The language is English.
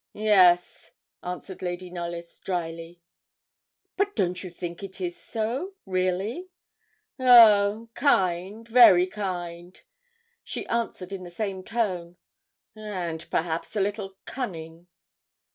'Yes,' answered Lady Knollys, drily. 'But don't you think it so, really?' 'Oh! kind, very kind,' she answered in the same tone, 'and perhaps a little cunning.'